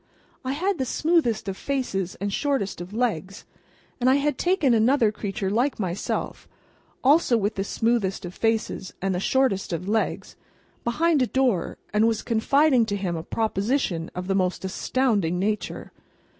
I had the smoothest of faces and the shortest of legs, and I had taken another creature like myself, also with the smoothest of faces and the shortest of legs, behind a door, and was confiding to him a proposition of the most astounding nature.